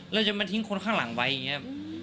และมันทิ้งคนข้างหลังอย่างนี้